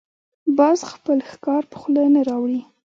باز خپل ښکار په خوله نه راوړي